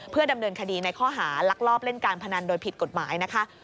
เพื่อดำเนินคดีในข้อหาลักลอบเล่นการพนันโดยผิดกฎหมายนะคะ